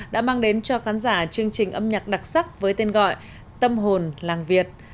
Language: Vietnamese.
đã mang đến cho khán giả chương trình âm nhạc đặc sắc với tên gọi tâm hồn làng việt